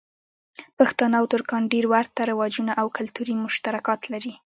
پښتانه او ترکان ډېر ورته رواجونه او کلتوری مشترکات لری.